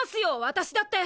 私だって！